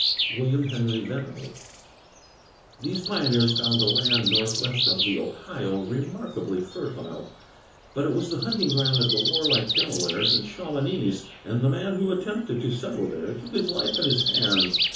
WILLIAM HENRY VENABLE. These pioneers found the land northwest of the Ohio remarkably fertile; but it was the hunting ground of the warlike Delawares and Shawanese, and the man who attempted to settle there took his life in his hands.